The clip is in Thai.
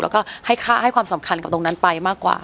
แล้วก็ให้ความสำคัญกับตรงนั้นไปมากกว่า